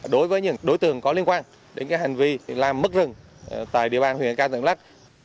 đối với những đối tượng có liên quan đến hành vi làm mất rừng tại địa bàn huyện ek